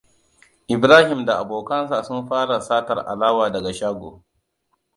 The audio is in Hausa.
Ibrahim da abokansa sun fara satar alawa daga shago.